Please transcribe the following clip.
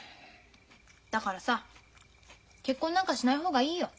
だからさ結婚なんかしない方がいいよ。